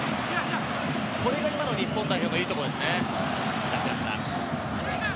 これが今の日本代表のいいところですね。